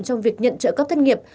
trong việc nhận trợ cấp thất nghiệp